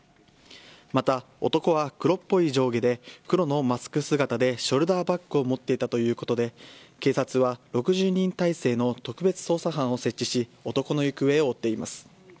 また、男は黒っぽい上下で黒のマスク姿でショルダーバッグを持っていたということで警察は６０人態勢の特別捜査班を設置し男の行方を追っています。